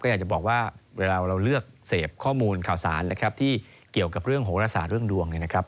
อยากจะบอกว่าเวลาเราเลือกเสพข้อมูลข่าวสารนะครับที่เกี่ยวกับเรื่องโหรศาสตร์เรื่องดวงเนี่ยนะครับ